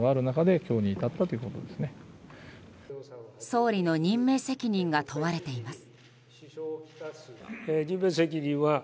総理の任命責任が問われています。